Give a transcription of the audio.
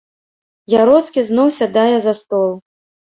Яроцкі зноў сядае за стол.